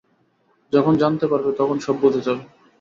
যখন জানতে পারবে, তখন সব বুঝে যাবে।